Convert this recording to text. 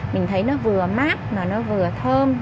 mình thấy nó vừa mát nó vừa thơm